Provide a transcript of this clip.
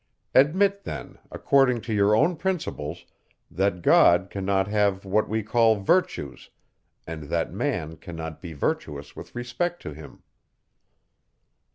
Admit then, according to your own principles, that God cannot have what we call virtues, and that man cannot be virtuous with respect to him.